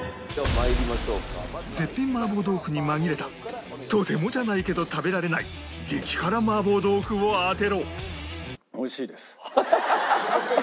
絶品麻婆豆腐に紛れたとてもじゃないけど食べられない激辛麻婆豆腐を当てろ！